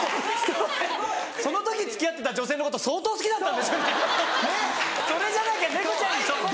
その時付き合ってた女性のこと相当好きだったんでしょうね